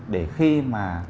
để khi mà